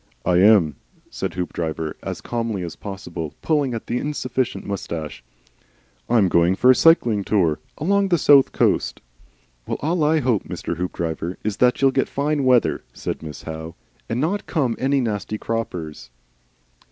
"I am," said Hoopdriver as calmly as possible, pulling at the insufficient moustache. "I'm going for a Cycling Tour. Along the South Coast." "Well, all I hope, Mr. Hoopdriver, is that you'll get fine weather," said Miss Howe. "And not come any nasty croppers."